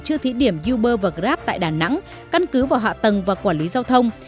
chưa thí điểm uber và grab tại đà nẵng căn cứ vào hạ tầng và quản lý giao thông